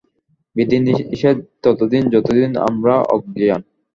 বিধিনিষেধ ততদিন, যতদিন আমরা অজ্ঞান।